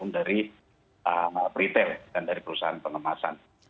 dan dari perusahaan pengemasan